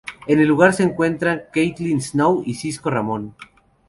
En el lugar se encuentran Caitlin Snow y Cisco Ramon.